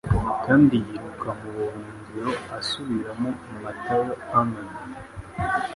Kandi yiruka mu buhungiro asubiramo Matayo Arnold: